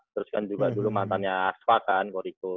terus kan juga dulu mantannya aspak kan koriqo